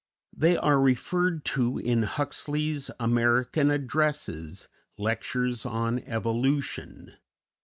They are referred to in Huxley's "American Addresses; Lectures on Evolution."